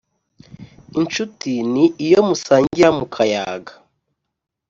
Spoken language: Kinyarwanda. Inshuti ni iyo musangira mukayaga.